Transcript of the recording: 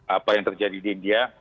apa yang terjadi di india